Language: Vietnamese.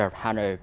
nhưng đôi khi